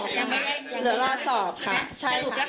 ถูกแล้วก็คือยังไม่มีใบอนุญาต